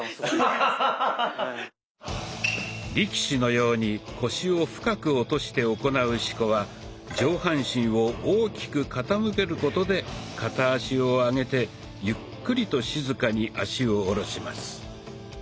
力士のように腰を深く落として行う四股は上半身を大きく傾けることで片足を上げてゆっくりと静かに足を下ろします。